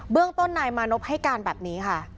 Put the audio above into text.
เรื่องต้นนายมานพให้การแบบนี้ค่ะ